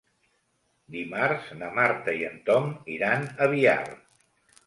Dimarts na Marta i en Tom iran a Biar.